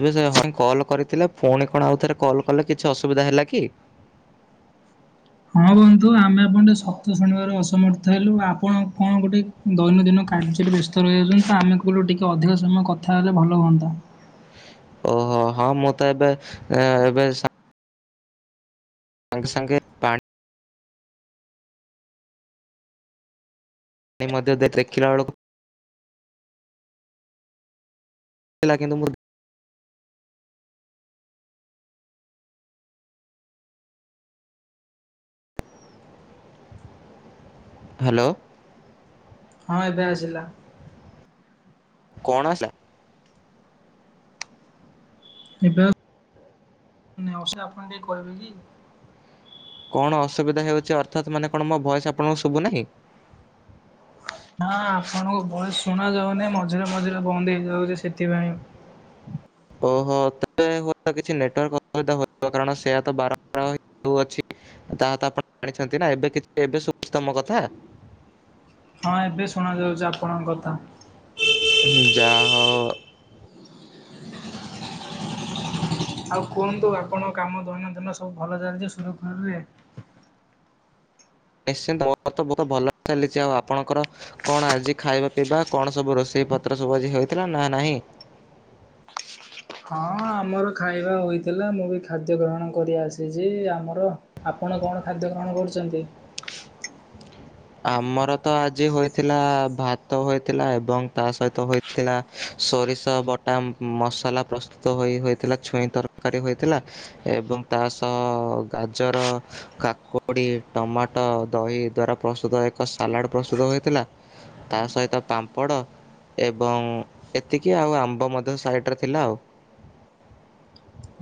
ଏବେ ସେ ହଁ କଲ୍ କରିଥିଲା ଫୁଣି କଣ ଆଉଥରେ କଲ୍ କଲେ କିଛି ଅସୁବିଧା ହେଲା କି? ହଁ ବନ୍ଧୁ ଆମେ ଆପଣଙ୍କ ସତ୍ୟ ଶୁଣିବାରେ ଅସମର୍ଥ ହେଲୁ ଆପଣ କଣ ଗୋଟେ। ଦୈନନ୍ଦିନ କାର୍ଯ୍ୟରେ ବ୍ୟସ୍ତ ରହିଯାଉଛନ୍ତି ତ ଆମେ କହିଲୁ ଟିକେ ଅଧିକ ସମୟ କଥା ହେଲେ ଭଲ ହୁଅନ୍ତା। ଓହୋ ହଁ ମୁଁ ତ ଏବେ ଏବେ। ସାଙ୍ଗ୍ ସାଙ୍ଗେ। ପାଣି ଆଇ ମଧ୍ୟ ଦେ ଦେଖିଲା ବେଳକୁ। [unintelligible] କିନ୍ତୁ ମୁଁ ହାଲୋ। ହଁ ଏବେ ଆସିଲା। କଣ ଆସିଲା। ଏବେ ନଆସିଲେ ଆପଣ ଟିକେ କହିବେ କି। [unintelligible] କଣ ଅସୁବିଧା ହେଉଛି ଅର୍ଥାତ ମାନେ କଣ ମୋ ଭଏସ ଆପଣଙ୍କୁ ଶୁଭୁ ନାହିଁ। ନାଁ ଆପଣଙ୍କ ଭଏସ ଶୁଣା ଯାଉନେଉ ମଝିରେ ମଝିରେ ବନ୍ଦ ହେଇଯାଉଛି ସେଥିପାଇଁ। ଓହୋ [unintelligible] ହୁଏତ କିଛି ନେଟୱାର୍କ ଅସୁବିଧା ହୋଉଥିବ କାରଣ ସେୟାତ ବାରମ୍ବାର। [unintelligible] ଆପଣ ଜାଣିଛନ୍ତି ନା ଏବେ କିଛି ଏବେ ସୁବୁଚି ତ ମୋକଥା। ହଁ, ଏବେ ଶୁଣା ଯାଉଛି ଆପଣଙ୍କ କଥା। ଯାହା ହଉ। ଆଉ କୁହନ୍ତୁ ଆପଣଙ୍କ କାମ ଦୈନନ୍ଦିନ ସବୁ ଭଲ ଚାଲିଛି ସୁରୁଖୁରୁରେ। ନିଶ୍ଚିନ୍ତ ମୋର ତ ବହୁତ ଭଲ ଚାଲିଛି ଆଉ ଆପଣଙ୍କର। କଣ ଆଜି ଖାଇବା ପିଇବା କଣ ସବୁ ରୋଷେଇ ପତ୍ର ସବୁ ଆଜି ହେଇଥିଲା ନା ନାହିଁ? ହଁ ଆମର ଖାଇବା ହୋଇଥିଲା। ମୁଁ ବି ଖାଦ୍ୟ ଗ୍ରହଣ କରି ଆସିଛି, ଆମର ଆପଣ କଣ ଖାଦ୍ୟ ଗ୍ରହଣ କରିଛନ୍ତି? ଆମର ତ ଆଜି ହୋଇଥିଲା ଭାତ ହୋଇଥିଲା ଏବଂ ତା ସହିତ ହୋଇ ଥିଲା ସୋରିଷ ବଟା ମସଲା ପ୍ରସ୍ତୁତ ହୋଇ ହୋଇଥିଲା ଛୁଇଁ ତରକାରୀ ହୋଇଥିଲା। ଏବଂ ତା ସହ ଗାଜର କାକୁଡି, ଟମାଟୋ, ଦହି ଦ୍ଵାରା ପ୍ରସ୍ତୁତ ଏକ ସାଲାଡ ପ୍ରସ୍ତୁତ ହୋଇଥିଲା। ତା ସହିତ ପାମ୍ପଡ଼। ଏବଂ ଏତିକି ଆଉ ଆମ୍ବ ମଧ୍ୟ ସାଇଡ଼ରେ ଥିଲା ଆଉ।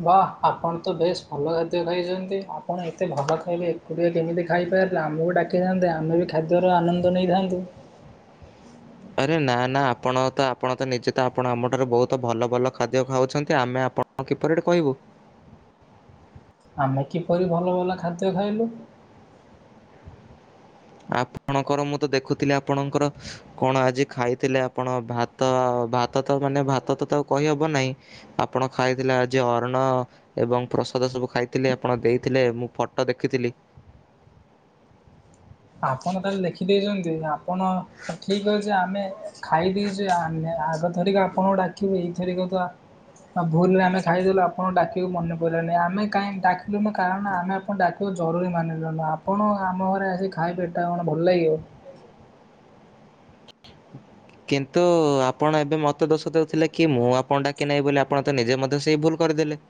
ବାଃ ଆପଣ ତ ବେଶ ଭଲ ଖାଦ୍ୟ ଖାଇଛନ୍ତି, ଆପଣ ଏତେ ଭଲ ଖାଇବେ ଏକୁଟିଆ କେମିତି ଖାଇପାରିଲେ? ଆମକୁ ଡାକିଥାନ୍ତେ ଆମେ ବି ଖାଦ୍ୟର ଆନନ୍ଦ ନେଇଥାନ୍ତୁ। ଆରେ ନା ନା ଆପଣ ତ ଆପଣ ତ ନିଜେ ତ ଆପଣ ଆମଠାରୁ ବହୁତ ଭଲ ଭଲ ଖାଦ୍ୟ ଖାଉଛନ୍ତି, ଆମେ ଆପଣ ହଁ କିପରି ଏଠି କହିବୁ? ଆମେ କିପରି ଭଲ ଭଲ ଖାଦ୍ୟ ଖାଇଲୁ? ଆପଣଙ୍କର ମୁଁ ତ ଦେଖୁଥିଲି ଆପଣଙ୍କର କଣ ଆଜି ଖାଇଥିଲେ ଆପଣ ଭାତ ଭାତ ତ ମାନେ ଭାତ ତ ଆଉ କହିହବ ନାହିଁ। ଆପଣ ଖାଇଥିଲେ ଆଜି ଅନ୍ନ। ଏବଂ ପ୍ରସାଦ ସବୁ ଖାଇଥିଲେ ଆପଣ ଦେଇଥିଲେ ମୁଁ ଫଟୋ ଦେଖିଥିଲି। ଆପଣ ତାହେଲେ ଲେଖିଦେଇଛନ୍ତି, ଆପଣ ଠିକ୍ ଅଛି ଆମେ ଖାଇଦେଇଛେ ଆମେ ଆଗ ଥରିକ ଆପଣଙ୍କୁ ଡାକିବି, ଏଇଥରିକ ତ ଆଉ ଭୁଲରେ ଆମେ ଖାଇଦେଲୁ ଆପଣ ଡାକିବାକୁ ମନେ ପଡ଼ିଲାନି, ଆମେ କାଇଁ ଡାକିନୁ କାରଣ ଆମେ ଡାକିବାକୁ ଜରୁରୀ ମାନିଲୁନୁ ଆପଣ ଆମ ଘରେ ଆସିିକ ଖାଇବେ ଏଟା କଣ ଭଲ ଲାଗିବ? କିନ୍ତୁ ଆପଣ ଏବେ ମୋତେ ଦୋଷ ଦେଉଥିଲେ କି ମୁଁ ଆପଣ ଡାକି ନାହିଁ ବୋଲି, ଆପଣ ତ ନିଜେ ମଧ୍ୟ ସେଇ ଭୁଲ କରିଦେଲେ।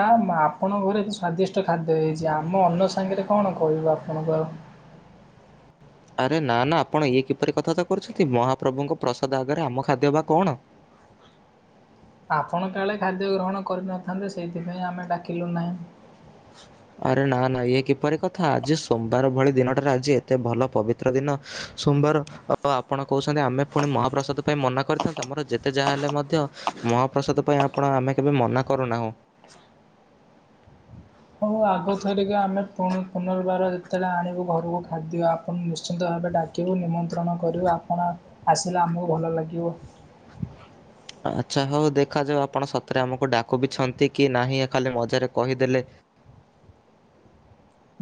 ଆ ମା ଆପଣଙ୍କ ଘରେ ଏ ସ୍ଵାଦିଷ୍ଟ ଖାଦ୍ୟ ହେଇଛି, ଆମ ଅନ୍ନ ସାଙ୍ଗରେ କଣ କହିବୁ ଆପଣଙ୍କୁ ଆଉ। ଆରେ ନା ନା ଆପଣ ଇଏ କିପରି କଥାବାର୍ତ୍ତା କରୁଛନ୍ତି, ମହାପ୍ରଭୁଙ୍କ ପ୍ରସାଦ ଆଗରେ ଆମ ଖାଦ୍ୟ ବା କଣ? ଆପଣ କାଳେ ଖାଦ୍ୟ ଗ୍ରହଣ କରିନଥାନ୍ତେ, ସେଇଥିପାଇଁ ଆମେ ଡାକିଲୁ ନାହିଁ। ଆରେ ନା ନା ଇଏ କିପରି କଥା? ଆଜି ସୋମବାର ଭଳି ଦିନଟାରେ ଆଜି ଏତେ ଭଲ ପବିତ୍ର ତ୍ର ଦିନ, ସୋମବାର, ଆପଣ କହୁଛନ୍ତି ଆମେ ପୁଣି ମହାପ୍ରସାଦ ପାଇଁ ମନା କରିଥାନ୍ତୁ। ଆମର ଯେତ ତେ ଯାହାହେଲେ ମଧ୍ୟ ମହାପ୍ରସାଦ ପାଇଁ ଆପଣ ଆମେ କେବେ ମନା କରୁନାହୁଁ। ହଉ ଆଗଥରିକି ଆମେ ପୁଣି ପୁନର୍ବାର ଯେତେବେଳେ ଆଣିବୁ ଘରକୁ ଖାଦ୍ୟ, ଆପଣ ନିଶ୍ଚିନ୍ତ ଭାବେ ଡାକ ବୁ ନିମନ୍ତ୍ରଣ କରିବୁ ଆପଣ ଆସିଲେ ଆମକୁ ଭଲ ଲାଗିବ। ଆଚ୍ଛା ହଉ ଦେଖାଯାଉ ଆପଣ ସତରେ ଆମକୁ ଡାକୁ ବିି ଛନ୍ତି କି ନାହିଁ ଖାଲି ମଜାରେ କହିଦେଲେ।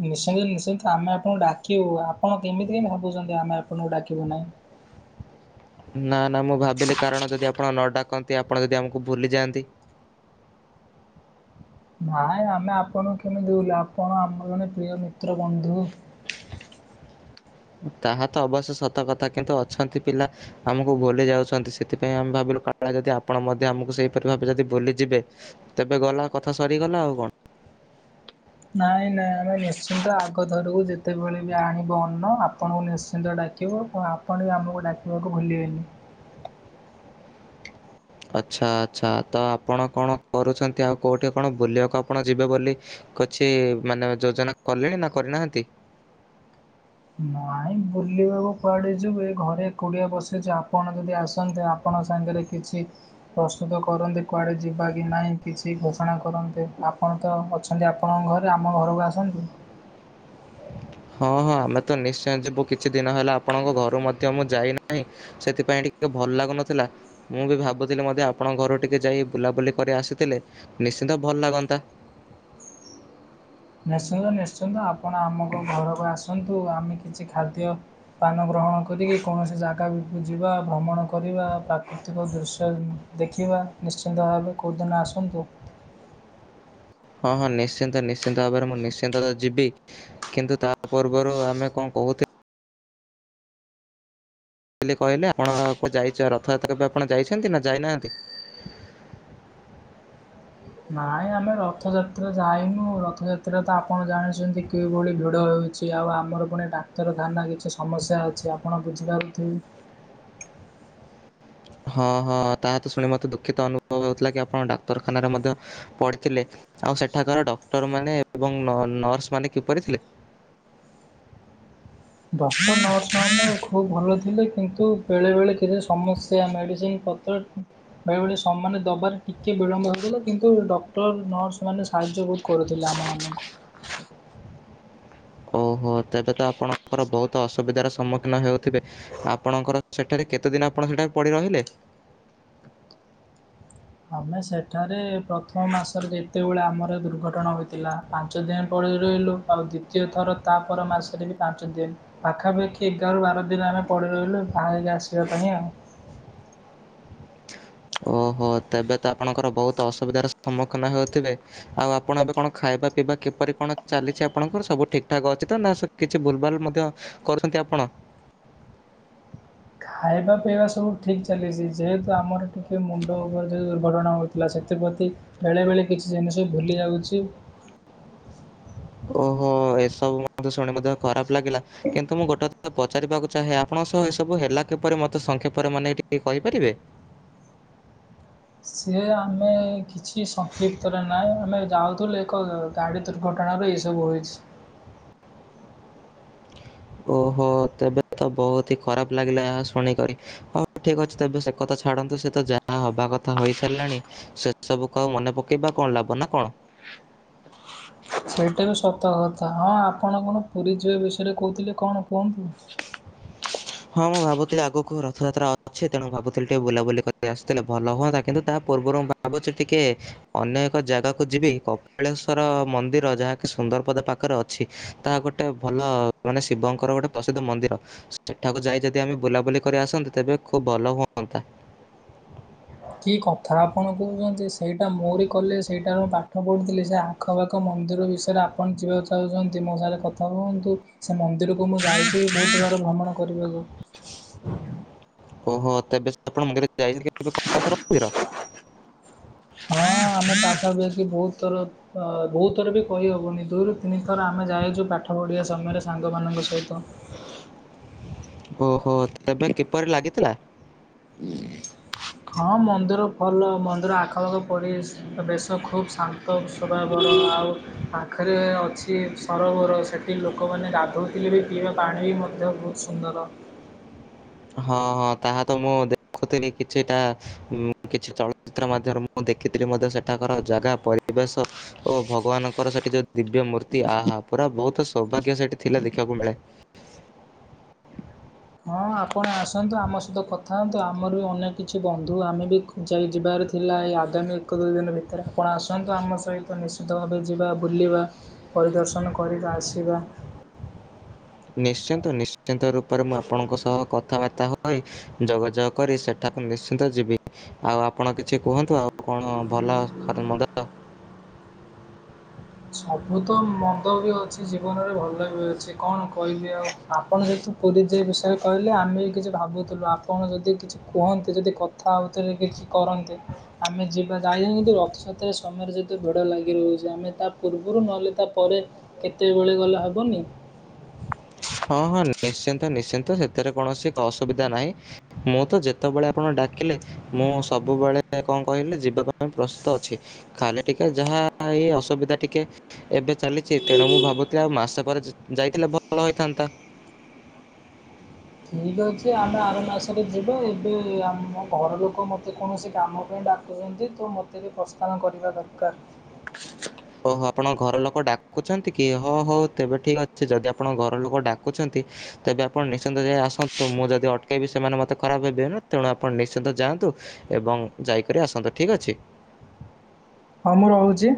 ନିଶ୍ଚନ୍ତ ନିଶ୍ଚିନ୍ତ ଆମେ ଆପଣଙ୍କୁ ଡାକିବୁ ଆପଣ କେମିତି କେ ଭାବୁଛନ୍ତି ଆମେ ଆପଣଙ୍କୁ ଡାକିବୁ ନାହିଁ? ନା ନା ମୁଁ ଭାବିଲି କାରଣ ଯଦି ଆପଣ ନ ଡାକନ୍ତି ଆପଣ ଯଦି ଆମକୁ ଭୁଲିଯାଆନ୍ତି। ନାଇଁ ଆମେ ଆପଣଙ୍କୁ କେମିତି ଭୁଲିବୁ ଆପଣ ଆମର ଜଣେ ପ୍ରିୟ ମିତ୍ର ବନ୍ଧୁ। ତାହା ତ ଅବଶ୍ୟ ସତ କଥା କିନ୍ତୁ ଅଛନ୍ତି ପିଲା ଆମକୁ ଭୁଲି ଯାଉଛନ୍ତି। ସେଥିପାଇଁ ଆମେ ଭାବିଲୁ କାଳେ ଯଦି ଆପଣ ମଧ୍ୟ ଆମକୁ ସେଇପରି ଭାବେ ଯଦି ଭୁଲି ଯିବେ। ତେବେ ଗଲା କଥା ସରିଗଲା ଆଉ କଣ। ନାଇଁ ନାଇଁ ଆମେ ନିଶ୍ଚିନ୍ତ ଆଗ ଧରକୁୁ ଯେତେବେଳେ ବି ଆଣିବୁ ଅନ୍ନ ଆପଣଙ୍କୁ ନିଶ୍ଚିନ୍ତ ଡାକ [unintelligible] କଣ ଆପଣ ବି ଆମକୁ ଡାକିବାକୁ ଭୁଲିବେନି? ଆଚ୍ଛା ଆଚ୍ଛା ତ ଆପଣ କଣ କରୁଛନ୍ତି ଆଉ କେଉଁଠି କଣ ବୁଲିବାକୁ ଆପଣ ଯିବେ ବୋଲି କିଛି ମାନେ ଯୋଜନା କଲେଣି ନା କରିନାହାନ୍ତି? ନାଇଁ ବୁଲିବାକୁ କୁଆଡେ ଯିବେ ଏ ଘରେ ଏକୁଡ଼ିଆ ବସିଛୁ ଆପଣ ଯଦି ଆସନ୍ତେ ଆ ଆପଣଙ୍କ ସାଙ୍ଗରେ କିଛି ପ୍ରସ୍ତୁତ କରନ୍ତି କୁଆଡ଼େ ଯିବା କି ନାହିଁ କିଛି ଘୋଷଣା କରନ୍ତି ଆପଣ ତ ଅ ଅଛ ଖାଲି ଆପଣଙ୍କ ଘରେ ଆମ ଘରକୁ ଆସନ୍ତୁ। ହଁ ହଁ ଆମେ ତ ନିଶ୍ଚୟ ଯିବୁ କିଛି ଦିନ ହେଲା ଆପଣଙ୍କ ଘରୁ ମଧ୍ୟ ମୁଁ ଯାଇନାହିଁ। ସେଥିପାଇଁ ଟିକେ ଭଲ ଲାଗୁନଥିଲା। ମୁଁ ବି ଭାବୁଥିଲି ମଧ୍ୟ୍ୟ ଆପଣଙ୍କ ଘରୁ ଟିକେ ଯାଇ ବୁଲାବୁଲି କରି ଆସିଥିଲେ ନିଶ୍ଚିନ୍ତ ଭଲ ଲାଗନ୍ତା। ନିଶ୍ଚିନ୍ତ ନିଶ୍ଚିନ୍ତ ଆପଣ ଆମକୁ ଘରକୁ ଆସନ୍ତୁ ଆମେ କିଛି ଖାଦ୍ୟ ପାନ ଗ୍ରହଣ କରିକି କୌଣସି ଜାଗାକୁ ଯିବା ଭ୍ରମଣ କରିବା ପ୍ରାକୃତିକ ଦୃଶ୍ୟ ଦେଖିବା ନିଶ୍ଚିନ୍ତ ଭାବେ କୋଉଁଦିନ ଆସନ୍ତୁ? ହଁ ହଁ ନିଶ୍ଚିନ୍ତ ନିଶ୍ଚିନ୍ତ ଭାବରେ ମୁଁ ନିଶ୍ଚିନ୍ତ ଯିବି। କିନ୍ତୁ ତା ପର୍ବରୁ ଆମେ କଣ କହୁଥିଲେ ବ କହିଲେ ଆପଣ କ ଯାଇ ରଥଯାତ୍ରା କେବେ ଆପଣ ଯାଇଛନ୍ତି ନା ଯାଇନାହାନ୍ତି? ନାଇଁ ଆମେ ରଥଯାତ୍ରା ଯାଇନୁ ରଥଯାତ୍ରା ତ ଆପଣ ଜାଣିଛନ୍ତି କିଭଳି ଭିଡ ହେଉ ଅଛି ଆଉ ଆମର ପୁଣି ଡାକ୍ତରଖାନା କିଛି ସମସ୍ୟା ଅଛି ଆପଣ ବୁଝିପାରୁଥିବେ। ହଁ ହଁ ତାହା ତ ଶୁଣି ମତେ ଦୁଃଖିତ ଅନୁଭବ ହେଉଥିଲା କି ଆପଣ ଡାକ୍ତରଖାନାରେ ମଧ୍ୟ ପଢିଥିଲେ ଆଉ ସେଠାକାର ଡକ୍ଟର ମାନେ ଏବଂ ନର୍ସ ମାନ କିପରିଥିଲେ? ଡକ୍ଟର ନର୍ସ ମାନେ ଖୁବ୍ ଭଲ ଥିଲେ କିନ୍ତୁ ବେଳେବେଳେ କିଛି ସମସ୍ୟା ମେଡ଼ିସିନ ବେଳେବେଳେ ସମାନେ ଦବାରେ ଟିକେ ବିଳମ୍ବ ହେଉଥିଲା କିନ୍ତୁ ଡକ୍ଟର ନର୍ସ ମାନେ ସାହାଯ୍ୟ ବହୁତ କରୁଥିଲେ ଆମ ମାନଙ୍କୁ। ଓହୋ ତେବେ ତ ଆପଣଙ୍କର ବହୁତ ଅସୁବିଧାର ସମ୍ମୁଖୀନ ହେଉଥିବେ? ଆପଣଙ୍କର ସେଠାରେ କେତେ ଦିନ ଆପଣ ସେଠା ପଡି ରହିଲେ? ଆମେ ସେଠାରେ ପ୍ରଥମ ମାସରେ ଯେତେବେଳେ ଆମର ଦୁର୍ଘଟଣା ହୋଇଥିଲା। ପାଞ୍ଚ ଦିନ ପଡି ରହିଲୁ ଆଉ ଦ୍ଵିତୀୟ ଥର ତା ପର ମାସରେ ବି ପାଞ୍ଚ ଦିନ ପାଖାପାଖି ଏଗାରରୁ ବାର ଦିନ ଆମେ ପଡି ରହିଲୁ ବାହାରିକି ଆସିବା ପାଇଁ ଆଉ। ଓ ହୋ ତେବେ ତ ଆପଣଙ୍କର ବହୁତ ଅସୁବିଧାର ସମ୍ମୁଖୀନ ହେଉଥିବେ। ଆଉ ଆପଣ ଏବେ କଣ ଖାଇବା ପିଇବା କିପରି କଣ ଚାଲିଛି ଆପଣଙ୍କର ସବୁ ଠିକ ଠାକ ଅଛି ତ ନା ସ କିଛି ଭୁଲ ଭାଲ ମଧ୍ୟ କରୁଛନ୍ତି ଆପଣ? ଖାଇବା ପିଇବା ସବୁ ଠିକ୍ ଚାଲିଛି ଯେହେତୁ ଆମର ଟିକିଏ ମୁଣ୍ଡ ଉପଗର ଯେଉଁ ଦୁର୍ଘଟଣା ହୋଇଥିଲା ସେଥିପ୍ରତି ବେଳେ ବେଳେ କିଛି ଜିନିଷ ଭୁଲି ଯାଉଛି। ଓହୋ ଏସବୁ ମଧ୍ୟ୍ୟ ଶୁଣିକି ଖରାପ ଲାଗିଲା କିନ୍ତୁ ମୁଁ ଗୋଟେ ପଚାରିବାକୁ ଚାହେଁ ଆପଣଙ୍କ ସହ ଏସବୁ ହେଲା କିପରି ମୋତେ ସଂଖେ ପରେ ମାନେ ଟିକେ କହିପାରିବେ? ସି ଆମେ କିଛି ସଂକ୍ଷିପ୍ତରେ ନାହିଁ ଆମେ ଯାଉଥିଲୁ ଏକ ଗାଡି ଦୁର୍ଘଟଣ ର ଏ ସବୁ ହୋଇଛି। ଓହୋ ତେବେ ତ ବହୁତ ହି ଖରାପ ଲାଗିଲା ଏହା ଶୁଣିକରି। ହଉ ଠିକ ଅଛି ତେବେ ସେ କଥା ଛାଡନ୍ତୁ ସେ ତ ଯାହା ହବା କଥା ହେଇସାରିଲାଣି। ସେ ସବୁକୁ ଆଉ ମନେ ପକେଇବା କଣ ଲାଭ ନା କଣ। ସେଇଟା ବି ସତ କଥା ହଁ ଆପଣ କଣ ପୁରୀ ଯିବେ ବିଷୟରେ କହୁଥିଲେ କଣ କୁହନ୍ତୁ? ହଁ ମୁଁ ଭାବୁଥିଲି ଆଗକୁ ରଥଯାତ୍ରା ଅଛି ତେଣୁ ଭାବୁଥିଲି ଟିକେ ବୁଲାବୁଲି କରି ଆସୁଥିଲେ ଭଲ ହୁଅନ୍ତା କିନ୍ତୁ ତା ପୂର୍ବରୁ ଭାବୁଛି ଟିକେ ଅନ୍ୟ ଏକ ଜାଗାକୁ ଯିବି କପିଳେଶ୍ଵର ମନ୍ଦିର ଯାହାକି ସୁନ୍ଦରପଦା ପାଖ ପାଖରେ ଅଛି ତାହା ଗୋଟେ ଭଲ ମାନେ ଶିବଙ୍କର ଗୋଟେ ପ୍ରସିଦ୍ଧ ମନ୍ଦିର। ସେଠାକୁ ଯାଇ ଯଦି ଆମେ ବୁଲାବୁଲି କରି ଆସନ୍ତେ ତେବେ ଖୁବ୍ ଭଲ ହୁଅନ୍ତା। କି କଥା ଆପଣ କହୁଛନ୍ତି ସେଇଟା ମୋରି କଲେଜ ସେଇଟାରେ ମୁଁ ପାଠ ପଢୁଥିଲି ସେ ଆଁ ଖପାଖ ମନ୍ଦିର ବିଷୟରେ ଆପଣ ଯିବାକୁ ଚାହୁଁଛନ୍ତି ମୋ ସାଙ୍ଗେରେ କଥା ହୁଅନ୍ତୁ। ସେ ମନ୍ଦିରକୁ ମୁଁ ଯାଇଛି ଭୋଉତୁ ବାର ଭ୍ରମଣ କରିବାକୁ। ଓହୋ ତେବେ [inaudible] ଆପଣ ମନ୍ଦିର ଯାଇଛନ୍ତି କେବେ [inaudible] ଶ୍ୱର ମନ୍ଦିର। ହଁ ଆମେ ପାଖା ପାଖି ଭୋଉତ ଥର ଅ ଭୋଉତ ଥର ବି କହିହବନି ଦୁଇରୁ ତିନି ଥର ଆମେ ଯାଇଛୁ ପାଠ ପଢିବା ସମୟରେ ସାଙ୍ଗମାନଙ୍କ ସହିତ। ଓହୋ ତବେ କିପରି ଲାଗିଥିଲା। ହଁ ମନ୍ଦିର ଭଲ ମନ୍ଦିର ଆଖପାଖ ପରିବେଶ୍ ଆ ବେଶ ଖୁବ୍ ଶାନ୍ତ ସ୍ୱଭାବର ଆଉ ପାଖେରେ ଅଛି ସରୋବର ସେଠି ଲୋକମାନେ ଗାଧୋଉଥିଲେ ବି ପିଇବା ପାଣି ବି ମଧ୍ୟ [unintelligible] ସୁନ୍ଦର। ହଁ ହଁ ତାହା ତ ମୁଁ ଦେଖୁଥିଲି କିଛିଟା ହୁଁ କିଛି ଚଳଚିତ୍ର ମାଧ୍ୟମରେ ମୁଁ ମୁଁ ଦେଖିଥିଲି ମଧ୍ୟ ସେଠାକାର ଜାଗା ପରିବେଶ ଓ ଭଗବାନଙ୍କର ସେଠି ଯୋଉ ଦିବ୍ୟ ମୂର୍ତ୍ତି ଆହା ପୁରା ଭୋଉତୁ ସୌଭାଗ୍ୟ ସେଠି ଥିଲେ ଦେଖିଆକୁ ମିଳେ। ହଁ ଆପଣ ଆସନ୍ତୁ ଆମ ସହିତ କଥା ହଅନ୍ତୁ ଆମର ବି ଅନେକ କିଛି ବନ୍ଧୁ ଆମେ ବି ଯାଇ ଯିବାରେ ଥିଲା ଏଇ ଆଗାମୀ ଏକ ଦୁଇ ଦିନି ଭିତେରେ ଆପଣ ଆସନ୍ତୁ ଆମ ସହିତ ନିଶ୍ ତ ଭାବେ ଯିବା ବୁଲିବା ପରିଦର୍ଶନ କରିବା ଆସିବା। ନିଶ୍ଚିନ୍ତ ନିଶ୍ଚିନ୍ତ ରୂପେରେ ମୁଁ ଆପଣଙ୍କ ସହ କଥାବାର୍ତ୍ତା ହ [unintelligible] ଯୋଗାଯୋଗ କରି ସେଠାକୁ ନିଶ୍ଚିନ୍ତ ଯିବି। ଆଉ ଆପଣ କିଛି କୁହନ୍ତୁ ଆଉ କଣ ଭଲ ଖରେନ୍ ମନ୍ଦ। ସବୁ ତ ମନ୍ଦ ବି ଅଛି ଜୀବନରେ ଭଲ ବି ଅଛି କଣ କହିବି ଆଉ ଆପଣ ଯେହେତୁ ପୁରୀ ଯେ ବିଷୟରେ କହିଲେ ଆମେ ବି କିଛି ଭାବୁଥୁଲୁ ଆପଣ ଯଦି କିଛି କୁହନ୍ତି ଯଦି କ ଥା ଉତିରେ କିଛି କରନ୍ତେ ଆମେ ଯିବା ଯାଇନାହାନ୍ତି ରଥଯାତ୍ରା ସମୟରେ ଯେତେ ଭିଡ ଲାଗି ରହୁଛି ଆମେ ତା ପୂର୍ବୁରୁ ନହେଲେ ତାପରେ କେତେବେଳେ ଗଲେ ହବନି। ହଁ ହଁ ନିଶ୍ଚିନ୍ତ ନିଶ୍ଚିନ୍ତ ସେଥିରେ କୌଣସି ଅସୁବିଧା ନାହିଁ। ମୁଁ ତ ଯେତବେଳେ ଆପଣ ଡାକିଲେ ମୁଁ ସବୁବେଳେ କଁ କହିଲେ ଯିବା ପାଇଁ ପ୍ରସ୍ତୁତ ଅଛି। ଖାଲି ଟିକେ ଯାହା ଏହି ଅସୁବିଧା ଟିକେ ଏବେ ଚାଲିଛି ତେଣୁ ମୁଁ ଭାବୁଥିଲି ଆଉ ମାସେ ପରେ ଯ୍ ଯାଇଥିଲେ ଭଲ ହେଇଥାନ୍ ତା ଠିକ୍ ଅଛି ଆମେ ଆର ମାସରେ ଯିବା ଏବେ ଆମ ଘର ଲୋକ ମତେ କୌଣସି କାମ ପାଇଁ ଡା କୁଛନ୍ତି ତ ମତେ ବି ପ୍ରସ୍ଥାନ କରିବା ଦରକାର। ଓହୋ ଆପଣଙ୍କ ଘର ଲୋକ ଡାକୁଛନ୍ତି କି ହଉ ହଉ ତେବେ ଠିକ୍ ଅଛି ଯଦି ଆପଣଙ୍କ ଘର ଲୋକ ଡାକୁଛନ୍ତି ତେବେ ଆପଣ ନିଶ୍ଚିନ୍ତ ଯାଇ ଆସନ୍ତୁ ମୁଁ ଯଦି ଅଟକେଇବି ସେମାନେ ମତେ ଖରାପ ଭାବିବେ ନା ତେଣୁ ଆପଣ ନିଶ୍ଚିନ୍ତ ଯାଆନ୍ତୁ। ଏବଂ ଯାଇକରି ଆସନ୍ତୁ ଠିକ୍ ଅଛି। ହଉ ମୁଁ ରହୁଚି।